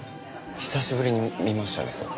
久しぶりに見ましたねそれ。